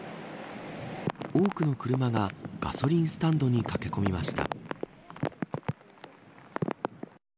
多くの車がガソリンスタンドに駆け込みました。